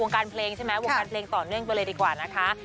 การเพลงใช่ไหมวงการเพลงต่อเนื่องไปเลยดีกว่านะคะ